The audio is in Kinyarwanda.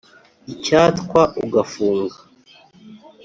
icyatwa ugafunga”